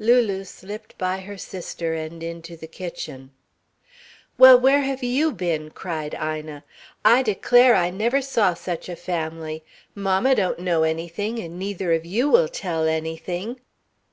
Lulu slipped by her sister, and into the kitchen. "Well, where have you been?" cried Ina. "I declare, I never saw such a family. Mamma don't know anything and neither of you will tell anything."